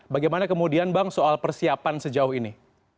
bagaimana kemudian bang soal persiapan sejauh ini